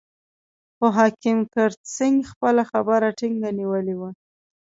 خو حکیم کرت سېنګ خپله خبره ټینګه نیولې وه.